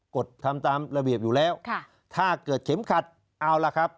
ทำตามระเบียบอยู่แล้วถ้าเกิดเข็มขัดเอาล่ะครับ